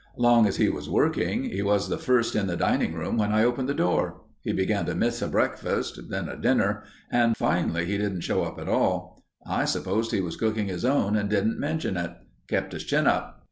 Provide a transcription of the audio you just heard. Long as he was working he was the first in the dining room when I opened the door. He began to miss a breakfast, then a dinner, and finally he didn't show up at all. I supposed he was cooking his own and didn't mention it. Kept his chin up.